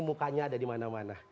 mukanya ada dimana mana